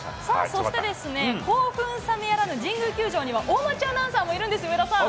そして、興奮冷めやらぬ神宮球場には、大町アナウンサーもいるんですよ、上田さん。